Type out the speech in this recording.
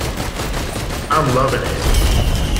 I'm loving it.